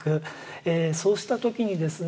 そうした時にですね